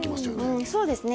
うんそうですね